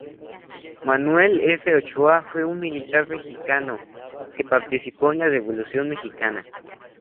Manuel F. Ochoa fue un militar mexicano que participó en la Revolución mexicana.